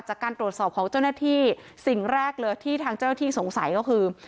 จากการตรวจสอบของเจ้าหน้าที่สิ่งแรกเลยที่ทางเจ้าหน้าที่สงสัยก็คือ